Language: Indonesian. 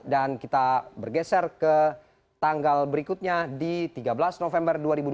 dan kita bergeser ke tanggal berikutnya di tiga belas november dua ribu dua puluh